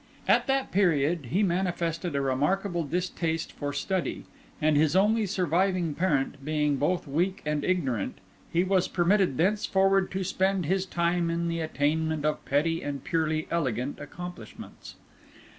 At that period, he manifested a remarkable distaste for study; and his only surviving parent being both weak and ignorant, he was permitted thenceforward to spend his time in the attainment of petty and purely elegant accomplishments.